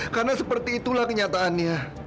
karena seperti itulah kenyataannya